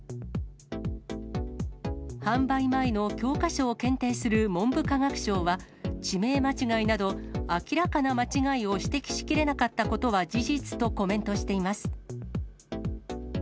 販売前の教科書を検定する文部科学省は、地名間違いなど、明らかな間違いを指摘しきれなかったことは事実とコメントしています。